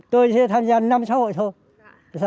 tôi sẽ tham gia năm xã hội thôi